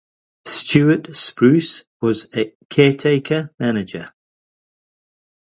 Stuart Spruce was caretaker manager.